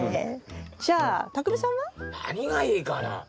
じゃあたくみさんは？何がいいかな。